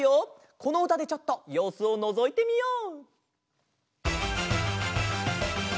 このうたでちょっとようすをのぞいてみよう！